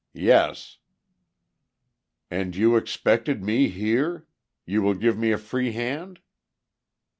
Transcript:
"Yes." "And you expected me here? You will give me a free hand?"